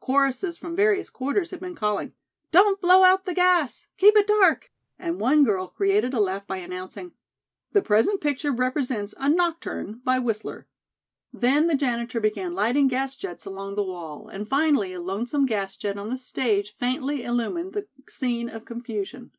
Choruses from various quarters had been calling: "Don't blow out the gas!" "Keep it dark!" And one girl created a laugh by announcing: "The present picture represents a 'Nocturne' by Whistler." Then the janitor began lighting gas jets along the wall and finally a lonesome gas jet on the stage faintly illumined the scene of confusion.